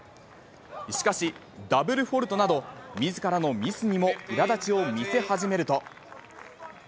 しかし、ダブルフォルトなど、みずからのミスにもいらだちを見せ始めると。